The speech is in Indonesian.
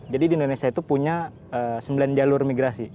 jadi di indonesia itu punya sembilan jalur migrasi